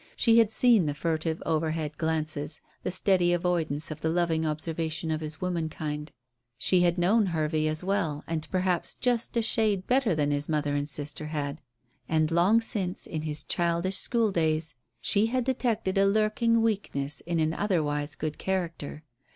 She had seen the furtive overhead glances; the steady avoidance of the loving observation of his womankind. She had known Hervey as well, and perhaps just a shade better than his mother and sister had; and long since, in his childish school days, she had detected a lurking weakness in an otherwise good character.